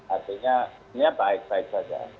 artinya ini baik baik saja